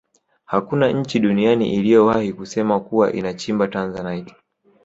hakuna nchi duniani iliyowahi kusema kuwa inachimba tanzanite